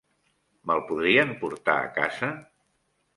Me'l podrien portar a casa?